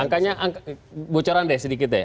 angkanya bocoran deh sedikit deh